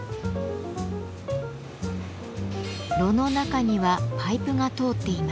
炉の中にはパイプが通っています。